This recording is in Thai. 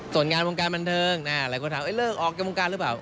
ส่วนงานวงการบันเทิงหลายคนถามเลิกออกจากวงการหรือเปล่า